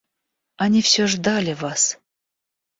Они всё ждали вас.